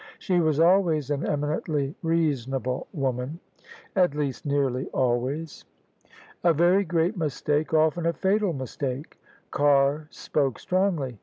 She was always an eminently reasonable woman. At least nearly alwajrs. [ 138 ] OF ISABEL CARNABY " A very great mistake : often a fatal mistake." Carr spoke strongly.